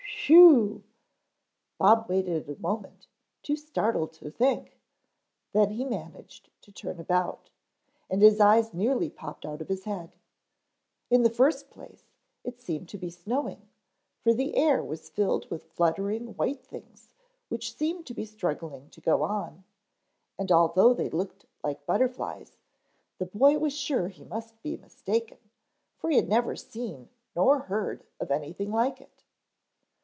"Whew " Bob waited a moment, too startled to think, then he managed to turn about, and his eyes nearly popped out of his head. In the first place, it seemed to be snowing for the air was filled with fluttering white things which seemed to be struggling to go on, and although they looked like butterflies, the boy was sure he must be mistaken for he had never seen nor heard of anything like it.